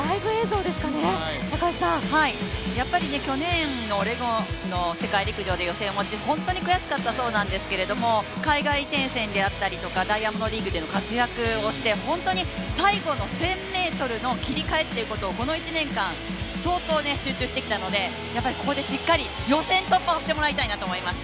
去年のオレゴンの世界陸上で予選落ち、本当に悔しかったそうなんですけれども、海外転戦であったりとかダイヤモンドリーグでの活躍をして、最後の１０００ｍの切り替えっていうことをこの１年間相当、集中してきたのでここでしっかり予選突破をしてもらいたいなと思います。